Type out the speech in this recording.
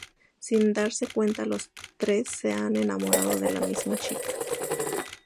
Sin darse cuenta los tres se han enamorado de la misma chica.